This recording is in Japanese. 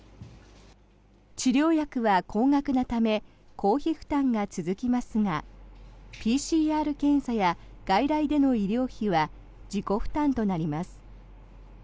治療薬は高額なため公費負担が続きますがＰＣＲ検査や外来での医療費は自己負担となります。